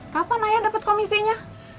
kapan ayah dapat komisinya